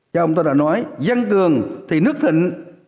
chà ông ta đã nói dân cường thì nước thịnh